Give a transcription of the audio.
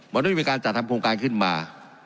มันได้มีการจัดทำโครงการขึ้นมา